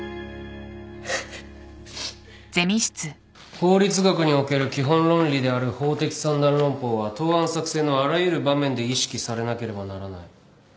法律学における基本論理である法的三段論法は答案作成のあらゆる場面で意識されなければならない。